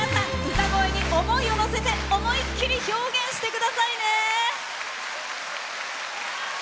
歌声に思いをのせて思いっきり表現してくださいね！